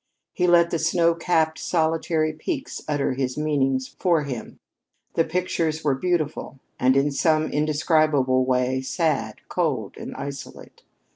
He let the snow capped solitary peaks utter his meanings for him. The pictures were beautiful and, in some indescribable way, sad cold and isolate.